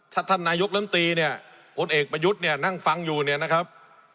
ถ้าท่านนายกลำตีเนี่ยพลเอกประยุทธ์เนี่ยนั่งฟังอยู่เนี่ยนะครับ